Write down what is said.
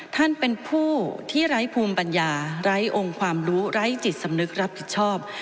ท่านเป็นผู้ที่ไร้ภูมิปัญญาไร้องค์ความรู้ไร้จิตสำนึกรับผิดชอบ